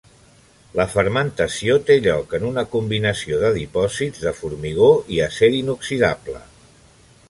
La fermentació té lloc en una combinació de dipòsits de formigó i acer inoxidable.